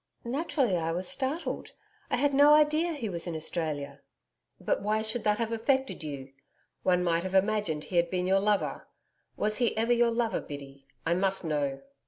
'Naturally, I was startled. I had no idea he was in Australia.' 'But why should that have affected you. One might have imagined he had been your lover. Was he ever your lover, Biddy? I must know.'